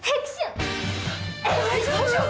大丈夫？